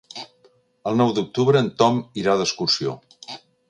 El nou d'octubre en Tom irà d'excursió.